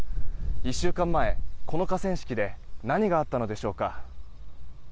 １週間前、この河川敷で何があったのでしょうか。